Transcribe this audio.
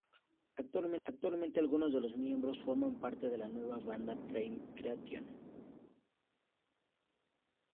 Actualmente algunos de los miembros forman parte de la nueva banda "Prime Creation